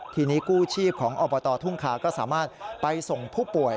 ทีนี้กู้ชีพของอบตทุ่งคาก็สามารถไปส่งผู้ป่วย